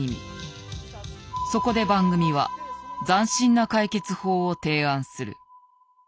そこで番組は斬新な解決法を提案する。